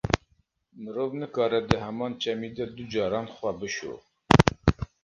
Mirov nikare di heman çemî de du caran xwe bişo.